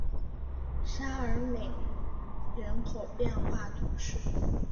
沙尔梅人口变化图示